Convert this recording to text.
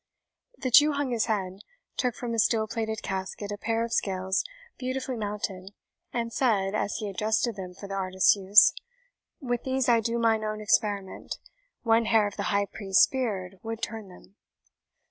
The Jew hung his head, took from a steel plated casket a pair of scales beautifully mounted, and said, as he adjusted them for the artist's use, "With these I do mine own experiment one hair of the high priest's beard would turn them."